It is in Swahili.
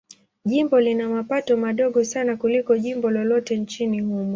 Jimbo lina mapato madogo sana kuliko jimbo lolote nchini humo.